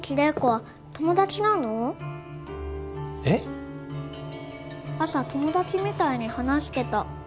朝友達みたいに話してた。